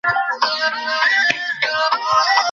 তিনি সুর, তাল-সহ তৎক্ষণাৎ তা কণ্ঠস্থ করতে পারতেন।